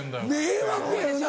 迷惑やよな。